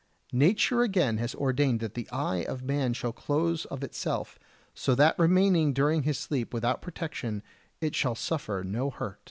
Nature again has ordained that the eye of man shall close of itself, so that remaining during his sleep without protection it shall suffer no hurt.